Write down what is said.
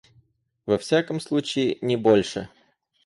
Во всяком случае, не больше.